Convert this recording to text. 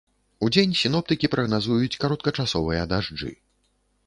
Удзень сіноптыкі прагназуюць кароткачасовыя дажджы.